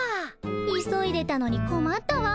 急いでたのにこまったわ。